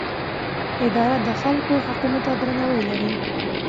اداره د خلکو حقونو ته درناوی لري.